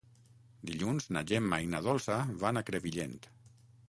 Dilluns na Gemma i na Dolça van a Crevillent.